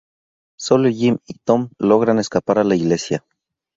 Solo Jim y Tom logran escapar a la iglesia.